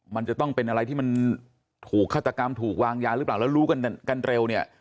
มันจะต้องเป็นอะไรที่มันถูกฆาตกรรมถูกวางยาหรือเปล่าแล้วรู้กันเร็วเนี่ย